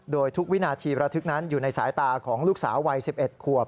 โดยทุกวินาทีระทึกนั้นอยู่ในสายตาของลูกสาววัย๑๑ขวบ